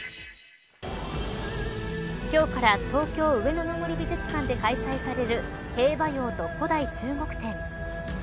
今日から、東京上野の森美術館で開催される兵馬俑と古代中国展。